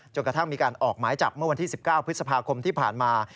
กระทั่งมีการออกหมายจับเมื่อวันที่๑๙พฤษภาคมที่ผ่านมา